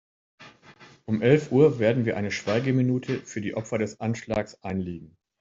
Um elf Uhr werden wir eine Schweigeminute für die Opfer des Anschlags einlegen.